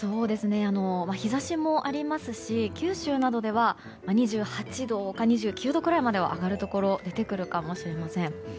日差しもありますし九州などでは２８度か２９度くらいまでは上がるところが出てくるかもしれません。